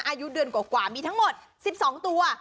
อายุเดือนกว่ามีทั้งหมด๑๒ตัว